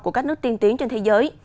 của các nước tiên tiến trên thế giới